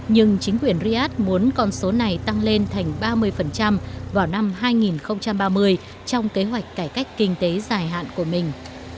nhưng chính quyền riyadh muốn con số này tăng lên thành ba mươi vào năm hai nghìn ba mươi trong kế hoạch cải cách kinh tế dài hạn của mình